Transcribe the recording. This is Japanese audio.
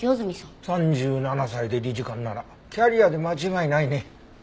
３７歳で理事官ならキャリアで間違いないね。